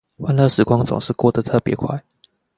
歡樂時光總是過得特別快